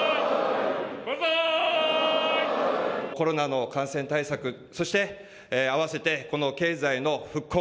コロナの感染対策そしてあわせてこの経済の復興